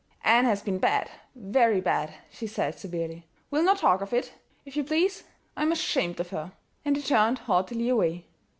"Ann has been bad very bad," she said severely. "We'll not talk of it, if you please. I am ashamed of her!" And he turned haughtily away.